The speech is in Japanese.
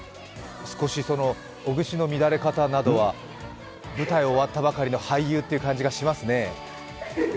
少しおぐしの乱れ方などは舞台終わったばかりの俳優って感じがしますね。